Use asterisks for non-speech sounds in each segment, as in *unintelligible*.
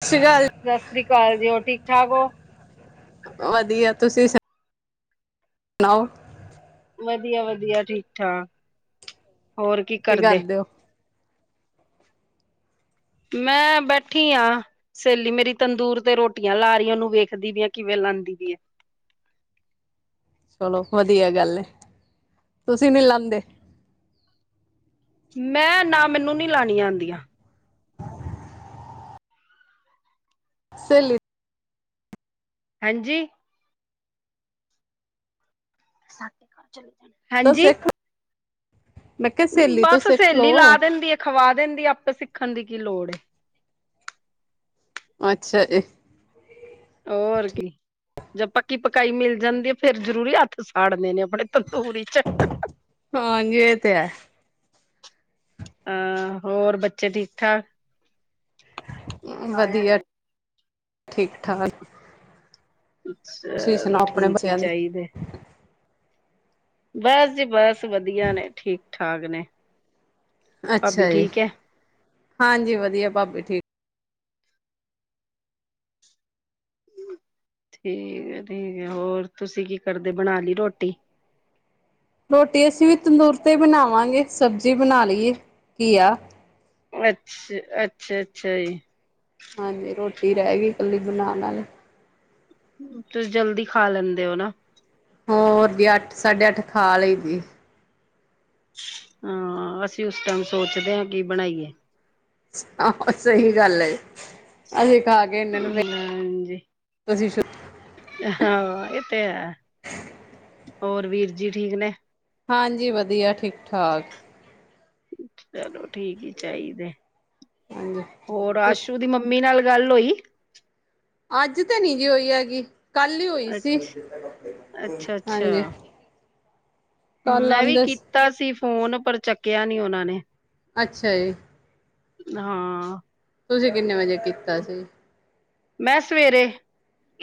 ਸਤਿ ਸ਼੍ਰੀ ਅਕਾਲ ਸਾਸ ਸ੍ਰੀ ਕਾਲ ਜੀ ਹੋਰ ਠੀਕ ਠਾਕ ਓ। ਵਧੀਆ ਤੁਸੀਂ ਸੁਨ ਨਾਓ। ਵਧੀਆ-ਵਧੀਆ, ਠੀਕ-ਠਾਕ ਹੋਰ ਕੀ ਕਰਦੇ। ਮੈਂ ਬੈਠੀ ਆ। ਸੇਲੀ ਮੇਰੀ ਤੰਦੂਰ ਤੇ ਰੋਟੀਆਂ ਲਾ ਰੀ ਉਨੂੰ ਵੇਖਦੀ ਵੀ ਆ ਕਿਵੇਂ ਲਾਂਦੀ ਪੀ ਏ। ਚਲੋ ਵਧੀਆ ਗੱਲ ਏ, ਤੁਸੀਂ ਨੀ ਲਾਂਦੇ। ਮੈਂ ਨਾ ਮੈਨੂੰ ਨੀ ਲਾਨੀਆਂ ਆਂਦੀਆ। ਸੇਲੀ ਹਾਂਜੀ। ਤੋਂ ਹਾਂਜੀ। ਸਿੱਖ ਮੈਂ ਕਿਹਾ ਸਹੇਲੀ ਤੋਂ ਬਸ ਸਿੱਖ ਸੇਲੀ ਲਾ ਲਓ ਦਿੰਦੀ ਆ, ਖਵਾ ਦਿੰਦੀ ਆਪੇ ਸਿੱਖਨ ਦੀ ਕੀ ਲੋੜ ਏ। ਅੱਛਾ, ਏ। ਔਰ ਕੀ ਜਦ ਪੱਕੀ ਪਕਾਈ ਮਿਲ ਜਾਂਦੀ ਏ, ਫੇਰ ਜ਼ਰੂਰੀ ਹੱਥ ਸਾੜਨੇ ਨੇ ਆਪਣੇ ਤੰਦੂਰ ਈਚ। ਹਾਂਜੀ ਏ ਤੇ ਹੈ। ਆਂ, ਹੋਰ ਬੱਚੇ ਠੀਕ ਠਾਕ। ਵਧੀਆ---ਠੀਕ ਠਾਕ। ਤੁਸੀਂ ਚਲੋ ਸੁਣਾਓ ਆਪਣੇ ਠੀਕ ਈ ਬੱਚਿਆਂ ਦੀ ਚਾਈਦੇ। ਬਸ ਜੀ ਬਸ ਵਧੀਆ ਨੇ ਠੀਕ-ਠਾਕ ਨੇ। ਭਾਬੀ ਅੱਛਾ ਜੀ, ਠੀਕ ਹੈ। ਹਾਂਜੀ ਵਧੀਆ ਭਾਬੀ ਠੀਕ। ਠੀਕ ਐ -ਠੀਕ ਐ, ਹੋਰ ਤੁਸੀਂ ਕੀ ਕਰਦੇ ਬਨਾ ਲੀ ਰੋਟੀ? ਰੋਟੀ ਅਸੀ ਵੀ ਤੰਦੂਰ ਤੇ ਬਨਾਵਾਂਗੇ। ਸਬਜੀ ਬਨਾ ਲਈ ਏ, ਘੀਆ। ਅੱਛਾ, ਅੱਛਾ -ਅੱਛਾ ਜੀ। ਹਾਂਜੀ, ਰੋਟੀ ਰੈਹ ਗਈ ਕੱਲੀ ਬਨਾਨ ਆਲੀ। ਤੁਸ ਜਲਦੀ ਖਾ ਲੈਂਦੇ ਓ ਨਾ ਹੋਰ ਜੀ, ਅੱਠ ਸਾਢੇ -ਅੱਠ ਖਾ ਲਈ ਦੀ। ਹਾਂ, ਅਸੀਂ ਉਸ ਟਾਈਮ ਸੋਚਦੇ ਆਂ ਕੀ ਬਨਾਈਏ? ਆਹੋ ਸਈ ਗੱਲ ਏ, ਅਸੀਂ ਖਾ ਕੇ ਇੰਨੇ ਨੂੰ ਵੇ ਹਾਂਜੀ ਤੁਸੀ ਸ਼ੁ ਹਾਂ ਏ ਤੇ ਹੈ, ਹੋਰ ਵੀਰ ਜੀ ਠੀਕ ਨੇ? ਹਾਂਜੀ ਵਦੀਆ ਠੀਕ- ਠਾਕ। ਚਲੋ, ਠੀਕ ਈ ਚਾਈਦੇ ਹਾਂਜੀ ਹੋਰ ਤੁਸ ਆਸ਼ੂ ਦੀ ਮੰ ਮੀ ਨਾਲ ਗੱਲ ਹੋਈ? ਅੱਜ, ਤੇ ਨੀ ਜੀ ਹੋਈ ਹੈਗੀ। ਕੱਲ ਈ ਹੋਈ ਸੀ, ਅੱਛਾ ਹਾਂਜੀ। ਅੱਛਾ ਕੱਲ ਮੈਂ ਵੀ ਆਉਂਦੇ ਕੀਤਾ ਸੀ ਫੋਨ ਪਰ ਚੱਕੇਆ ਨੀਂ ਓਨਾਂ ਨੇ ਅੱਛਾ ਜੀ। ਹਾਂ। ਤੁਸੀ ਕਿੰਨੇ ਵਜੇ ਕੀਤਾ ਸੀ? ਮੈਂ ਸਵੇਰੇ,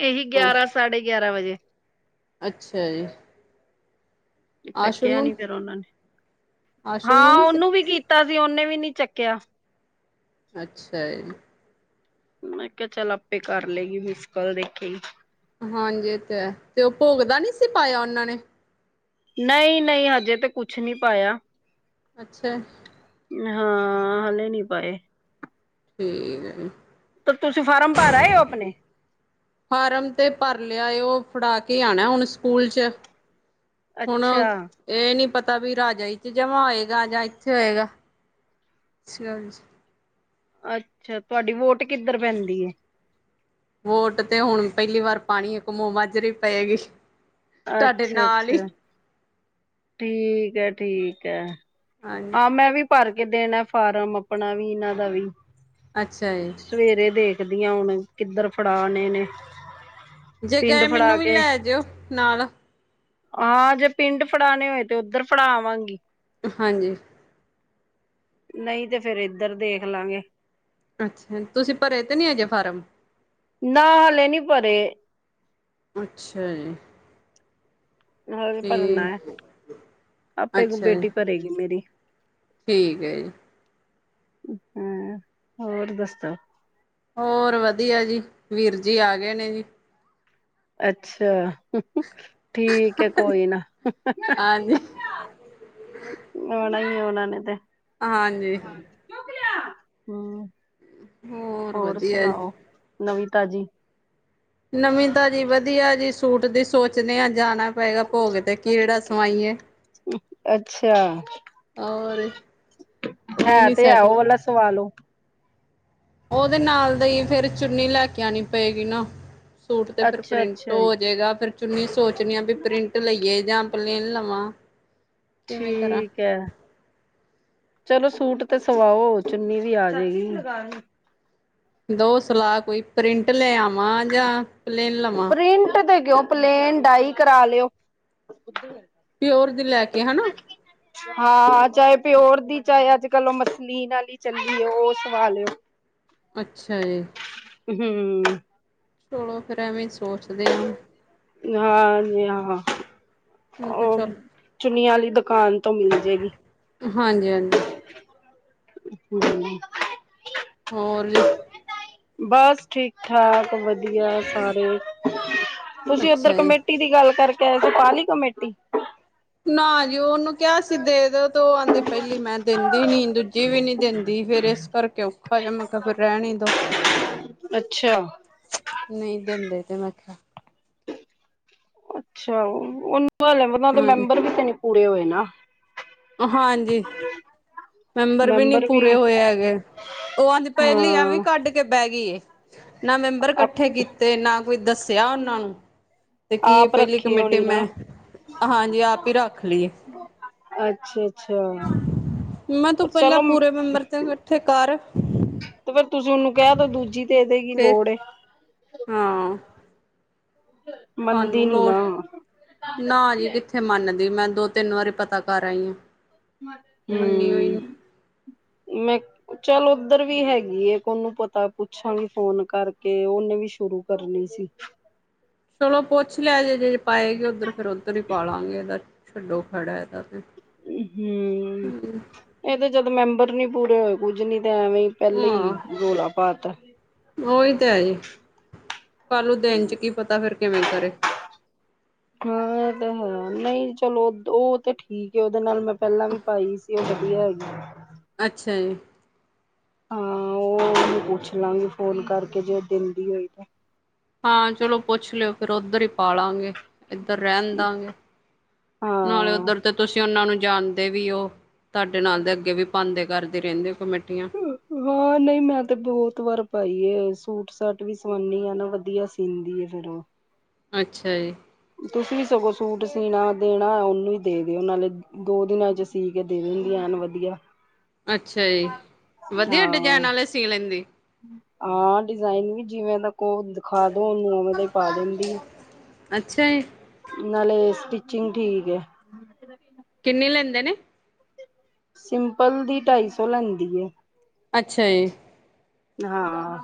ਏਹੀ ਗੇਆਰਾਂ -ਸਾਢੇ ਗੇਆਰਾਂ ਵਜੇ ਅੱਛਾ ਜੀ। ਆਸ਼ੂ ਚੱਕੇਆ ਨੂੰ ਨੀਂ ਫੇਰ ਓਨਾਂ ਨੇ, ਆਸ਼ੂ ਨੂੰ ਹਾਂ ਨੀ ਸੀ ਓਨੂੰ ਵੀ ਕੀ ਤਾ, ਸੀ ਓਨੇ ਵੀ ਨੀ ਚੱਕੇਆ। ਅੱਛਾ ਜੀ। ਮੈਂ ਕੇਆ, ਚੱਲ ਆਪੇ ਕਰ ਲੇਗੀ ਮਿਸ ਕਾੱਲ ਦੇਖੇਗੀ। ਹਾਂਜੀ ਏ ਤੇ ਹੈ, ਤੇੋ ਭੋਗ ਦਾ ਨੀਂ ਸੀ ਪਾਏਆ ਓਨਾਂ ਨੇ? ਨਈਂ-ਨਈਂ ਹਜੇ ਤੇ ਕੁਛ ਨੀਂ ਪਾਏਆ। ਅੱਛਾ ਹਾਂ, ਹਲੇ ਨਈਂ ਪਾਏ ਠੀਕ ਐ। ਤੇ, ਤੁਸੀ ਫਾਰਮ ਭਰ ਆਏ ਓ ਆਪਨੇ? ਫਾਰਮ ਤੇ ਭਰ ਲੇਆ ਏ, ਓ ਫੜਾ ਕੇ ਆਨੈ ਹੁਨ ਸਕੂਲ 'ਚ ਹੁਨ ਅੱਛਾ ਏਹ ਨੀ ਪਤਾ ਵੀ ਰਾਜਾ 'ਚ ਜਮਾ ਹੋਏਗਾ ਜਾਂ ਇੱਥੇ ਹੋਏਗਾ ਅੱਛਾ ਤੁਆਡੀ ਵੋਟ ਕਿੱਧਰ ਪੈਂਦੀ ਐ? ਵੋਟ ਤੇ ਹੁਨ ਪੈਲੀ ਵਾਰ ਪਾਣੀ ਏ ਕੰਮੂ ਮਾਜਰੇ ਪਏਗੀ ਤੁਹਾਡੇ ਅੱਛਾ ਨਾਲ ਹੀ -ਅੱਛਾ ਠੀਕ ਐ-ਠੀਕ ਐ, ਹਾਂਜੀ ਆ, ਮੈਂ ਵੀ ਭਰ ਕੇ ਦੇਨਾ ਫਾਰਮ ਆਪਨਾ ਵੀ ਇਨਾਂ ਦਾ ਵੀ ਅੱਛਾ ਜੀ। ਸਵੇਰੇ ਦੇਖਦੀ ਆਂ ਹੁਨ ਕਿੱਧਰ ਫੜਾਨੇ ਨੇ। ਜੇ ਪਿੰਡ ਗਏ, ਫੜਾ ਮੈਨੂੰ ਵੀ ਕੇ ਲੈ ਜੇਓ ਨਾਲ ਹਾਂ, ਜੇ ਪਿੰਡ ਫੜਾਨੇ ਹੋਏ ਤੇ ਓਧਰ ਫੜਾ ਆਵਾਂਗੀ। ਹਾਂਜੀ ਨਈਂ ਤੇ ਫੇਰ ਏਧਰ ਦੇਖ ਲਾਂਗੇ। ਅੱਛਾ, ਤੁਸੀਂ ਭਰੇ ਤੇ ਨੀ ਹਜੇ ਫਾਰਮ ਨਾ ਹਲੇ ਨੀ ਭਰੇ ਅੱਛਾ ਜੀ ਹਲੇ ਭਰਨਾ ਐ ਠੀਕ ਆਪੇ ਅੱਛਾ ਜੀ ਬੇਟੀ ਭਰੇਗੀ ਮੇਰੀ ਠੀਕ ਹੈ ਜੀ। ਹਾਂ ਹੋਰ ਦਸੋ ਹੋਰ ਵਧੀਆ ਜੀ ਵੀਰ ਜੀ ਆ ਗਏ ਨੇ ਜੀ ਅੱਛਾ। ਠੀਕ ਹੈ ਕੋਈ ਨਾ ਹਾਂਜੀ ਆਉਣਾ ਹੀ ਉਹਨਾਂ ਨੇ ਤੇ ਹਾਂਜੀ। ਚੁੱਕ ਲਿਆ ਹੂੰ। ਹੋਰ ਵਧੀਆ ਜੀ ਸੁਣਾਓ ਨਵੀਂ ਤਾਜ਼ੀ ਨਵੀਂ ਤਾਜ਼ੀ ਵਧੀਆ ਜੀ ਸੂਟ ਦੀ ਸੋਚਨੇ ਹਾਂ ਜਾਣਾ ਪਏਗਾ ਭੋਗ ਤੇ ਕਿਹੜਾ ਸਵਾਈਏ ਅੱਛਾ! ਔਰ ਹੈ ਉਹੀ ਨੀ ਤੇ ਹੈ ਸੈਟ ਉਹ ਵਾਲਾ ਸਵਾ ਲੳ ਉਹਦੇ ਨਾਲ ਦੇ ਹੀ ਫੇਰ ਚੁੰਨੀ ਲੈ ਕੇ ਆਉਣੀ ਪਏਗੀ ਨਾ ਸੂਟ ਤੇ ਫਿਰ ਅੱਛਾ ਪ੍ਰਿੰਟ ਅੱਛਾ ਹੋ ਜਾਏਗਾ ਫਿਰ ਚੁੰਨੀ ਸੋਚਣੀ ਆ ਬਈ ਪ੍ਰਿੰਟ ਲਈਏ ਜਾਂ ਪਲੇਨ ਲਵਾਂ। ਕਿਵੇਂ ਕਰਾਂ ਠੀਕ ਹੈ। ਚਲੋ ਸੂਟ ਤੇ ਸਵਾਓ ਚੁੰਨੀ ਵੀ ਆ ਜਾਏਗੀ। ਦੋ ਸਲਾਹ ਕੋਈ ਪ੍ਰਿੰਟ ਲੈ ਆਵਾਂ ਜਾਂ ਪਲੇਨ ਲਵਾਂ ਪ੍ਰਿੰਟ ਦੇ ਕਿਉ ਪਲੇਨ ਡਾਈ ਕਰਾ ਲਿਓ। ਪਿਓਰ ਦੀ ਲੈ ਕੇ ਹੈਨਾ। ਹਾਂ, ਚਾਹੇ ਪਿਓਰ ਦੀ ਚਾਹੇ ਅੱਜ ਕੱਲ ਉਹ ਮਛਲੀਨ ਨਾਲ ਹੀ ਚੱਲੀ ਏ, ਉਹ ਸਵਾ ਲਿਓ। ਅੱਛਾ ਜੀ! ਹਮ। ਹੁੰ, ਚਲੋ ਫਿਰ ਐਵੇਂ ਸੋਚਦੇ ਹਾਂ। ਹਾਂਜੀ ਹਾਂ। ਮੈਂ ਕਿਹਾ ਉਹ ਚੱਲ ਚੁੰਨੀਆਂ ਵਾਲੀ ਦੁਕਾਨ ਤੋਂ ਮਿਲ ਜਾਏਗੀ। ਹਾਂਜੀ ਹਾਂਜੀ। ਹਮ *unintelligible* ਹੋਰ ਜੀ ਬਸ ਠੀਕ ਠਾਕਵਧ ਵਧੀਆ ਸਾਰੇ ਤੁਸੀਂ ਓਧਰ ਅੱਛਾ ਜੀ ਕਮੇਟੀ ਦੀ ਗੱਲ ਕਰਕੇ ਆਏ ਪਾ ਲਈ ਕਮੇਟੀ ਨਾ ਜੀ ਉਹਨੂੰ ਕਿਹਾ ਸੀ ਦੇ ਦਿਓ ਉਹ ਆਉਂਦੇ ਪਹਿਲੀ ਮੈਂ ਦਿੰਦੀ ਨੀ, ਦੂਜੀ ਵੀ ਨੀ ਦਿੰਦੀ ਫੇਰ ਇਸ ਕਰਕੇ ਓ ਚੱਲ ਮੈਂ ਕਿਹਾ ਫਿਰ ਰਹਿਣ ਦੋ। ਅੱਛਾ। ਨਹੀਂ ਦਿੰਦੇ ਤੇ ਮੈਂ ਕਹਿ ਆ। ਅੱਛਾ ਉਹਨੂੰ ਉਹਨੇ ਦੇ ਹਾਂਜੀ ਮੈਂਬਰ ਵੀ ਤੇ ਨ ਪੂਰੇ ਹੋਏ ਨਾ। ਹਾਂਜੀ। ਮੈਂਬਰ ਵੀ ਨੀ ਪੂਰੇ ਹੋਏ ਹੈਗੇ, ਉਹ ਅਜ ਪਹਿਲੀਆਂ ਵੀ ਹਾਂ ਕੱਢ ਬਹਿ ਗਈ ਏ ਨਾ ਮੈਂਬਰ ਇਕੱਠੇ ਕੀਤੇ ਨਾ ਕੋਈ ਦੱਸਿਆ ਉਹਨਾਂ ਨੂੰ ਤੇ ਕੀ ਏ ਆਪ ਪਹਿਲੀ ਰੱਖੀ ਕਮੇਟੀੇ ਹੋਣੀ ਮੈਂ ਨਾ। ਆਪ ਹੀ ਰੱਖ ਲਈਏ। ਅੱਛਾ! ਅੱਛਾ! ਮੈਂ ਤੂੰ ਪਰ ਪਹਿਲਾਂ ਚਲੋ ਮ ਪੂਰੇ ਮੈਂਬਰ ਤੇ ਇਕੱਠੇ ਕਰ ਤੇ ਫੇਰ ਤੁਸੀਂ ਓਨੂੰ ਕੈ ਦੋ ਦੂਜੀ ਦੇ ਦੇਗੀ ਫੇਰ ਲੋੜ ਏ। ਹਾਂ। ਜ *unintelligible* ਸਾਨੂੰ ਲੋੜ, ਨਾ ਜੀ ਕਿੱਥੇ ਮੰਨਦੀ। ਮੈਂ ਦੋ-ਤਿੰਨ ਵਾਰੀ ਪਤਾ ਕਰ ਆਈ ਆਂ। ਹੂੰ, ਮੈਂ ਚੱਲ ਓਧਰ ਵੀ ਹੈਗੀ ਏ ਇੱਕ ਓਨੂੰ ਪਤਾ ਪੁੱਛਾਂਗੀ ਫੋਨ ਕਰਕੇ, ਓਨੇ ਵੀ ਸ਼ੁਰੂ ਕਰਨੀ ਸੀ। ਚਲੋ ਪੁੱਛ ਲਿਆ ਜੇ, ਜੇ ਪਾਏਗੀ ਓਧਰ ਫੇਰ ਓਧਰ ਹੀ ਪਾ ਲਾਂਗੇ ਏਦਾ ਛੱਡੋ ਖੈੜਾ ਐਦਾ ਫੇਰ। ਹੂੰ, ਤੇ ਜਦ ਮੈਂਬਰ ਨੀ ਪੂਰੇ ਹੋਏ ਕੁੱਝ ਨੀ ਤੇ ਐਵੇਂ ਈ ਪੈਲੇ ਈ ਰੌਲ਼ਾ ਪਾਤਾ। ਓਹੀ ਤੇ ਹੈ ਜੀ, ਪਰ ਓ ਦਿਨ ਚ ਕੀ ਹਾਂ ਪਤਾ ਫੇਰ ਕਿਵੇਂ ਕਰੇ? ਹਾਂ ਐ ਤੇ ਹੈ, ਨਈਂ ਚਲੋ ਓ ਤੇ ਠੀਕ ਏ ਓਦੇ ਨਾਲ ਮੈਂ ਪੈਲਾਂ ਵੀ ਪਾਈ ਸੀ, ਓ ਵਧੀਆ ਹੈਗੀ। ਅੱਛਾ ਜੀ! ਹਾਂ ਓ ਪੁੱਛ ਲਾਂਗੀ ਫੋਨ ਕਰਕੇ ਜੇ ਓ ਦੇਂਦੀ ਹੋਈ ਤੇ। ਹਾਂ ਚਲੋ ਪੁੱਛ ਲਿਓ ਫਿਰ ਓਧਰ ਹੀ ਪਾਲਾਂਗੇ। ਇੱਧਰ ਰੈਣ ਦਾਂਗੇ ਨਾਲੇ ਹਾਂ। ਓਧਰ ਤੇ ਤੁਸੀਂ ਓਨਾਂ ਨੂੰ ਜਾਣਦੇ ਵੀ ਓ ਤੁਆਡੇ ਨਾਲ ਦੇ ਅੱਗੇ ਵੀ ਪਾਦੇ ਕਰਦੇ ਰੈਂਦੇ ਕਮੇਟੀਆਂ। ਹਾਂ ਨਈ ਮੈਂ ਤੇ ਬੌਤ ਵਾਰ ਪਾਈ ਏ, ਸੂਟ-ਸਾਟ ਵੀ ਸਵਾਦੀ ਆ ਨਾ ਵਧੀਆ ਸਿੰਦੀ ਏ ਫਿਰ ਓ। ਅੱਛਾ ਜੀ। ਤੁਸੀਂ ਵੀ ਸਗੋਂ ਸੂਟ ਸੀਣਾ ਦੇਣਾ ਹੋਯਾ ਓਨੂੰ ਹੀ ਦੇ ਦਿਓ ਨਾਲੇ ਦੋ ਦਿਨਾਂ 'ਚ ਸੀ ਦੇ ਦੇ ਦੇਂਦੀਆਂ ਐਨ ਵਧੀਆ। ਅੱਛਾ ਜੀ! ਵਧੀਆ ਡਿਜ਼ਾਇਨ ਹਾਂ। ਵਾਲੇ ਸੀ ਲੈਂਦੇ? ਹਾਂ ਡਿਜ਼ਾਇਨ ਵੀ ਜਿਵੇਂ ਦਾ ਕੋ ਓਦਾਂ। ਖਾਦੋ ਓਨੂੰ ਉਵੇਂ ਦਾ ਈ ਪਾ ਦਿੰਦੀ ਏ। ਅੱਛਾ ਜੀ ਨਾਲੇ ਸਟਿਚਿੰਗ ਠੀਕ ਏ। ਕਿੰਨੇ ਲੈਂਦੇ ਨੇ? ਸਿੰਪਲ ਦੀ ਢਾਈ ਸੌ ਲੈਂਦੀ ਏ। ਅੱਛਾ ਜੀ। ਹਾਂ।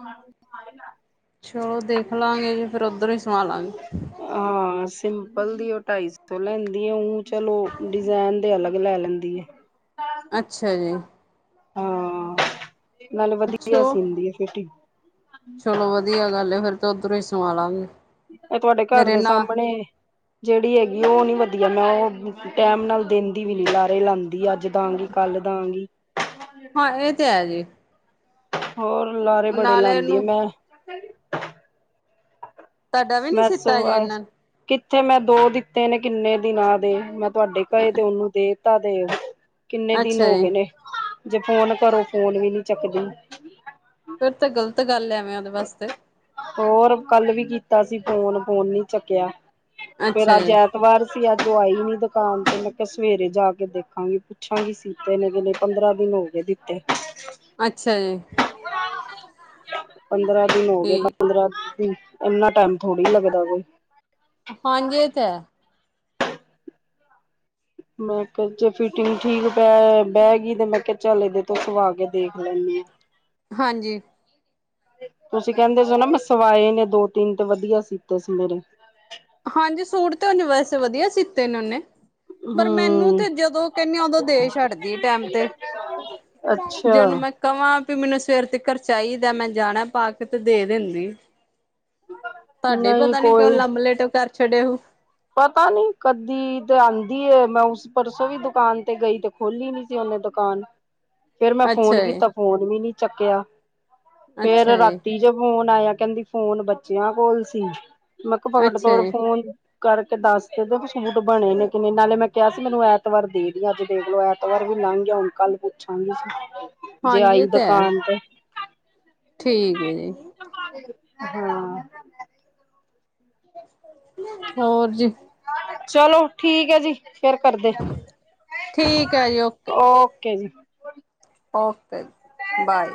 *inaudible* ਚਲੋ ਦੇਖ ਲਾਂਗੇ ਜੇ ਫੇਰ ਉੱਧਰੋਂ ਹੀ ਸਵਾ ਲਾਂਗੇ। ਹਾਂ। ਹਾਂ ਸਿੰਪਲ ਦੀ ਓ ਢਾਈ ਸੌ ਲੈਂਦੀ ਏ, ਉਂ ਚਲੋ ਡਿਜ਼ਾਇਨ ਦੇ ਅਲੱਗ ਲੈ ਲੈਂਦੀ ਏ। ਹ *unintelligible* ਅੱਛਾ ਜੀ। ਹਾਂ! ਨਾਲੇ ਵਧੀਆ ਅੱਛਾ। ਸਿੰਦੀ ਏ ਫਿਟਿੰਗ। ਚਲੋ ਵਧੀਆ ਗੱਲ ਏ, ਫਿਰ ਤੇ ਓਧਰੋਂ ਹੀ ਸਵਾ ਲਾਂਗੇ। ਇਕ ਤੁਆਡੇ ਘਰ ਮੇਰੇ ਦੇ ਨਾਲ ਸਾਮਣੇ ਜੇੜੀ ਹੈਗੀ ਓ ਨੀ ਵਧੀਆ, ਮੈਂ ਓ ਟੈਮ ਨਾਲ ਦੇਂਦੀ ਵੀ ਨੀ, ਲਾਰੇ ਲਾਂਦੀ ਅੱਜ ਦਾਂਗੀ ਕੱਲ ਦਾਂਗੀ। ਹਾਂ ਇਹ ਤੇ ਹੈ ਜੀ। ਹੋਰ ਲਾਰੇ ਬੜੇ ਨਾਲੇ ਲਾਂਦੀ ਇਹਨੂੰ ਏ, ਮੈਂ ਤੁਹਾਡਾ ਵੀ ਨੀ ਸੀਤਾ ਜੇ ਮੈਂ, ਇਹਨਾਂ ਕਿੱਥੇ ਮੈਂ ਦੋ ਦਿੱਤੇ ਨੇ ਕਿੰਨੇ ਦਿਨਾਂ ਦੇ ਮੈਂ। ਤੁਹਾਡੇ ਘਰੇ ਤੇ ਉਹਨੂੰ ਦੇ ਤਾ ਤੇ, ਕਿੰਨੇ ਨੇ ਦਿਨ ਅੱਛਾ ਹੋ ਜੀ। ਗਏ ਨੇ। ਜੇ ਫੋਨ ਕਰੋ ਫੋਨ ਵੀ ਨੀ ਚੱਕਦੀ। ਫਿਰ ਤੇ ਗ਼ਲਤ ਗੱਲ ਆ ਐੰਵੇੈਂ ਉਹਦੇ ਵਾਸਤੇ। ਹੋਰ ਕੱਲ ਵੀ ਕੀਤਾ ਸੀ ਫੋਨ, ਫੋਨ ਨੀ ਚੱਕਿਆ ਫੇਰ ਅੱਛਾ ਅੱਜ ਜੀ, ਐ। ਤਵਾਰ ਸੀ ਅੱਜ ਓ ਆਈ ਨੀ ਦੁਕਾਨ ਤੇ, ਮੈਂ ਕਿਹਾ ਸਵੇਰੇ ਜਾ ਕੇ ਦੇਖਾਂਗੀ। ਪੁੱਛਾਂ ਗੀ ਸੀਤੇ ਨੇ ਕਿ ਨੀ, ਪੰਦਰਾਂ ਦਿਨ ਹੋ ਗੇ ਦਿੱਤੇ। ਅੱਛਾ ਜੀ। ਪੰਦਰਾਂ ਦਿਨ ਹੋ ਗਏ। ਠੀਕ। ਪੰਦਰਾਂ, ਇਨਾ ਟੈਮ ਥੋੜ੍ਹੀ ਲੱਗਦਾ ਵਾ। ਹਾਂਜੀ, ਏ ਤੇ ਹੈ। ਮੈਂ ਕਿਹਾ, ਜੇ ਫਿਟਿੰਗ ਠੀਕ ਪੈ ਬਹਿ ਗਈ ਤੇ ਮੈਂ ਕਿਹਾ ਚਲ ਇਦੇ ਤੋਂ ਸੁਵਾ ਕੇ ਦੇਖ ਲੈਂਨੇ ਆ। ਹਾਂਜੀ। ਤੁਸੀਂ ਕਹਿੰਦੇ ਜੇ ਨਾ ਮੈਂ ਸਵਾਏ ਨੇ ਦੋ ਤਿੰਨ ਤੇ ਵਧੀਆ ਸੀਤੇ ਸੀ ਮੇਰੇ ਹਾਂਜੀ, ਸੂਟ ਤੇ ਉਹਨੂੰ ਵੈਸੇ ਵਧੀਆ ਸੀਤੇ ਨੇ ਓਨੇ। ਪਰ ਮੈਨੂੰ ਹੂੰ, ਤੇ ਜਦੋਂ ਕਹਿੰਨੀ ਆ ਉਦੋਂ ਦੇ ਛੱਡਦੀ ਟੈਮ ਤੇ ਅੱਛਾ। ਜੇ ਉਹਨੂੰ ਮੈਂ ਕਵਾਂ ਪੀ, ਮੈਨੂੰ ਸਵੇਰ ਤੀਕਰ ਚਾਈਦਾ, ਮੈਂ ਜਾਣਾ ਪਾ ਕੇ ਤੇ ਦੇ ਦਿੰਦੀ। ਤੁਹਾਡੇ ਨਹੀਂ ਪਤਾ ਨੀ ਕਿਉਂ ਕੋਈ ਲੰਮ-ਲੇਟ ਕਰ ਛੱਡੇ ਉਹ। ਪਤਾ ਨੀ ਕਦੀ ਤੇ ਆਂਦੀ ਏ, ਮੈਂ ਉਸ ਪਰਸੋਂ ਵੀ ਦੁਕਾਨ ਤੇ ਗਈ ਤੇ। ਖੋਲੀ ਨੀ ਸੀ ਉਹਨੇ ਦੁਕਾਨ। ਫੇਰ ਮੈਂ ਫੋਨ ਅੱਛਾ ਜੀ। ਕੀਤਾ ਫੋਨ ਵੀ ਨੀ ਚੱਕਿਆ, ਫੇਰ ਅੱਛਾ ਜੀ, ਰਾਤੀ। ਜੇ ਫੋਨ ਆਇਆ ਕਹਿੰਦੀ ਫੋਨ ਬੱਚਿਆਂ ਕੋਲ ਸੀ ਮੈਂ ਕਿਆ ਫਕੜ ਅੱਛਾ ਤੋੜ ਜੀ, ਫੋਨ *unintelligible* ਕਰਕੇ ਦੱਸ ਤੇ ਦਓ ਕਿ ਸੂਟ ਬਣੇ ਨੇ ਕਿ ਨਈੰ ਨਾਲੇ ਮੈਂ ਕਿਹਾ ਸੀ ਮੈਨੂੰ ਐਤਵਾਰ ਦੇ ਦੀ, ਅੱਜ ਦੇਖਲੋ ਐ ਐਤਵਾਰ ਵੀ ਲੰਘ ਗਿਆ, ਹੁਣ ਕੱਲ ਪੁੱਛਾਂਗੀ, ਜੇ ਹਾਂਜੀ ਆਈ ਇਹ ਤਾਂ ਹੈ। ਦੁਕਾਨ ਤੇ। ਠੀਕ ਐ ਜੀ। ਹਾਂ। *inaudible* ਹੋਰ ਜੀ। ਚਲੋ ਠੀਕ ਐ ਜੀ, ਫੇਰ ਕਰਦੇ ਠੀਕ ਹੈ ਜੀ ਓਕੇ, ਓ। ਓਕੇ ਜੀ। Okay, bye.